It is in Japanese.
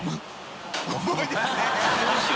重いですね」